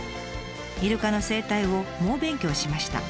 イルカの生態を猛勉強しました。